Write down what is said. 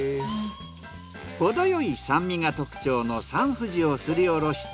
ほどよい酸味が特徴のサンふじをすりおろして。